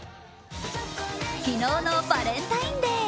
昨日のバレンタインデー。